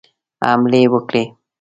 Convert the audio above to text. حملې وکړي.